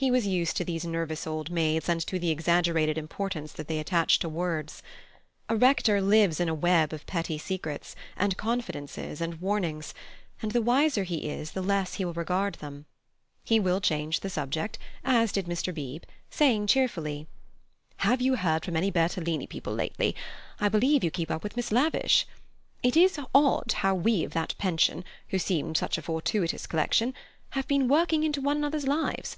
He was used to these nervous old maids and to the exaggerated importance that they attach to words. A rector lives in a web of petty secrets, and confidences and warnings, and the wiser he is the less he will regard them. He will change the subject, as did Mr. Beebe, saying cheerfully: "Have you heard from any Bertolini people lately? I believe you keep up with Miss Lavish. It is odd how we of that pension, who seemed such a fortuitous collection, have been working into one another's lives.